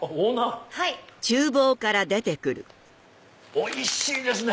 おいしいですね。